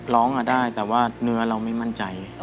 ร้องได้แต่ว่าเนื้อเราไม่มั่นใจ